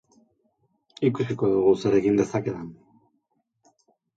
Ikusiko dugu zer egin dezakedan.